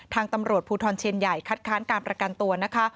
ทางตำรวจภูทรเชียนใหญ่คัดค้านการประกันตัวนะคะ